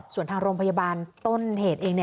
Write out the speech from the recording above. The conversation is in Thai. ส่วนทางโรงพยาบาลต้นเหตุเอง